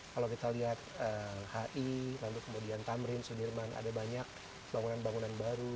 kalau kita lihat hi lalu kemudian tamrin sudirman ada banyak bangunan bangunan baru